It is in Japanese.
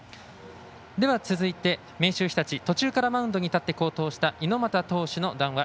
では続いて、明秀日立途中からマウンドに立って好投した猪俣投手の談話